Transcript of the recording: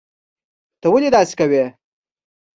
ته ولي داسي کوي